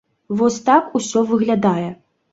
Вось так усё выглядае.